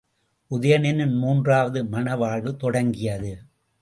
உதயணனின் மூன்றாவது மண வாழ்வு தொடங்கியது.